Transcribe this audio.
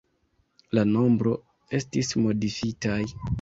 La nombroj estis modifitaj.